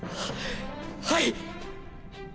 はい！